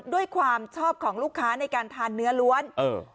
ด้วยความชอบของลูกค้าในการทานเนื้อล้วนเออ